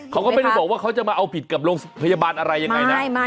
เขาก็ไม่ได้บอกว่าเขาจะมาเอาผิดกับโรงพยาบาลอะไรยังไงนะ